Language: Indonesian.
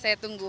ya saya tunggu